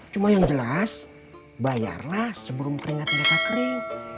cuma yang jelas bayarlah sebelum keringat mereka kering